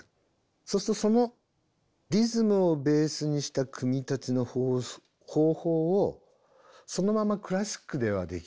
そうするとそのリズムをベースにした組み立ての方法をそのままクラシックではできないだろうか？